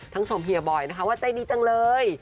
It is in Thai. ชมเฮียบอยนะคะว่าใจดีจังเลย